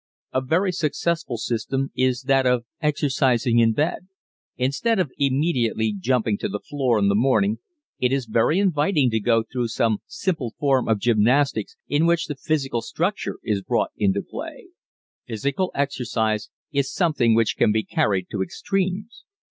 A very successful system is that of exercising in bed. Instead of immediately jumping to the floor in the morning it is very inviting to go through some simple form of gymnastics in which the physical structure is brought into play. Physical exercise is something which can be carried to extremes.